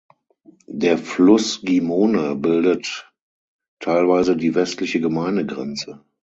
Der Fluss Gimone bildet teilweise die westliche Gemeindegrenze.